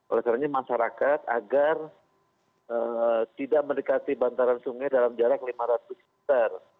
oleh karena masyarakat agar tidak mendekati bantaran sungai dalam jarak lima ratus meter